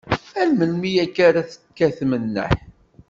Ar melmi akka ara tekkatem nneḥ?